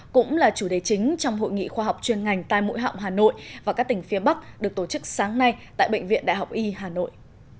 cũng là chủ đề chính trong hội nghị khoa học chuyên ngành tai mũi họng hà nội và các tỉnh phía bắc được tổ chức sáng nay tại bệnh viện đại học y hà nội